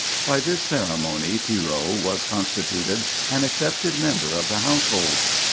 By this ceremony Pierrot was constituted an accepted member of the household.